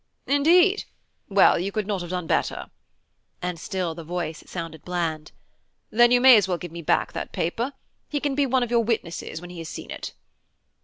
"Indeed! Well, you could not have done better," and still the voice sounded bland. "Then you may as well give me back that paper; he can be one of your witnesses when he has seen it."